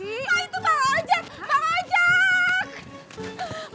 ah itu pak ojak